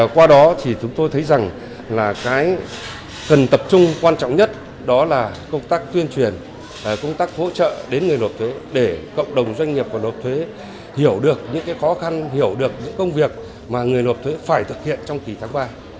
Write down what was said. qua đó thì chúng tôi thấy rằng là cái cần tập trung quan trọng nhất đó là công tác tuyên truyền công tác hỗ trợ đến người nộp thuế để cộng đồng doanh nghiệp của nộp thuế hiểu được những khó khăn hiểu được những công việc mà người nộp thuế phải thực hiện trong kỳ tháng ba